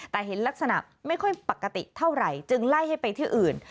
แต่เห็นลักษณะไม่ค่อยปกติเท่าไหร่จึงไล่ให้ไปที่อื่น